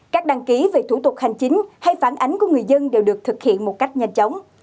các đăng ký về thủ tục hành chính hay phản ánh của người dân đều được thực hiện một cách nhanh chóng